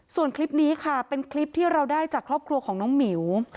ส่วนคลิปนี้ค่ะเป็นคลิปที่เราได้จากครอบครัวของน้องหมิว